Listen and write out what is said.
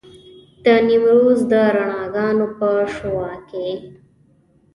د نیمروز د رڼاګانو په شعاع کې.